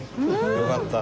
よかった。